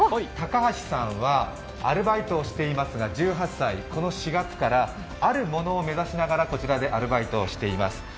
高橋さんはアルバイトをしていますが、１８歳、この４月からあるものを目指しながらこちらでアルバイトをしています。